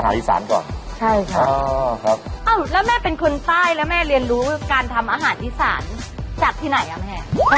เป็นคนใต้แล้วแม่เรียนรู้การทำอาหารอีสานจัดที่ไหนอ่ะแม่